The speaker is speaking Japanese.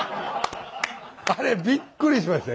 あれびっくりしました